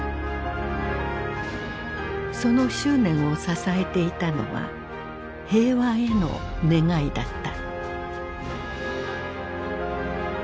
その執念を支えていたのは平和への願いだった。